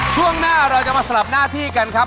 ช่วงหน้าเราจะมาสลับหน้าที่กันครับ